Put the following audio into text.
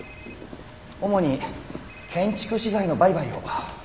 主に建築資材の売買を。